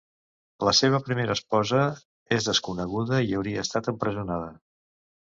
La seva primera esposa és desconeguda i hauria estat empresonada.